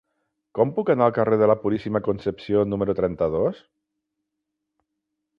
Com puc anar al carrer de la Puríssima Concepció número trenta-dos?